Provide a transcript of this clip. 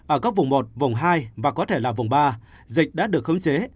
ở các vùng một vùng hai và có thể là vùng ba dịch đã được khống chế